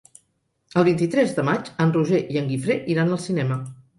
El vint-i-tres de maig en Roger i en Guifré iran al cinema.